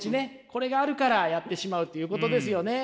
これがあるからやってしまうっていうことですよね。